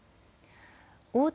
大手